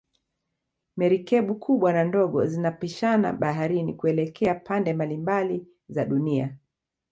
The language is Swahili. Merikebu kubwa na ndogo zinapishana baharini kuelekea pande mabalimabali za dunia